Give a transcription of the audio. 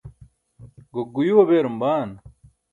gokguyuu beerum baan?